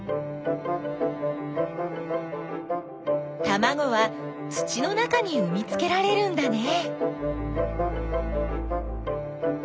たまごは土の中にうみつけられるんだね。